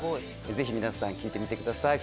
ぜひ皆さん聴いてみてください。